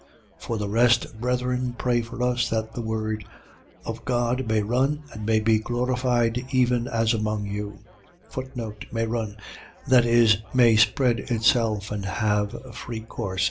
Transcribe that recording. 3:1. For the rest, brethren, pray for us that the word of God may run and may be glorified, even as among you: May run. . .That is, may spread itself, and have free course.